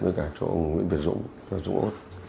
với cả chỗ nguyễn việt dũng và dũng út